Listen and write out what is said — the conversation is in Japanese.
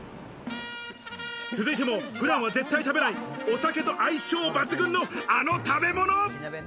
続いても普段は絶対食べない、お酒と相性抜群の、あの食べ物。